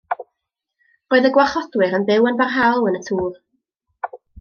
Roedd y gwarchodwyr yn byw yn barhaol yn y tŵr.